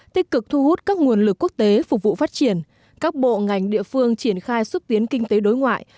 tích cực thu hút các nguồn lực quốc tế phục vụ phát triển các bộ ngành địa phương triển khai xúc tiến kinh tế đối ngoại